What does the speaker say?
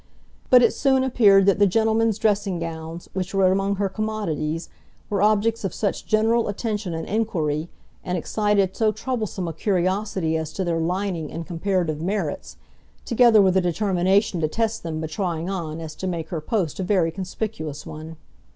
But it soon appeared that the gentlemen's dressing gowns, which were among her commodities, were objects of such general attention and inquiry, and excited so troublesome a curiosity as to their lining and comparative merits, together with a determination to test them by trying on, as to make her post a very conspicuous one.